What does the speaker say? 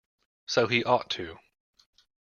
So he ought to.